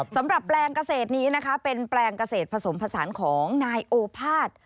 สำหรับแปลงเกษตรนี้เป็นแปลงเกษตรผสมผสานของนายโอภาต